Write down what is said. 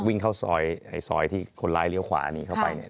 วิ่งเข้าซอยไอ้ซอยที่คนร้ายเลี้ยวขวาหนีเข้าไปเนี่ย